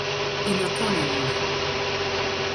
Ina kona nne.